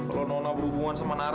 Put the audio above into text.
kalau nona berhubungan sama nara